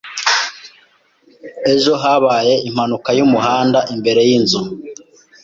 Ejo habaye impanuka yumuhanda imbere yinzu.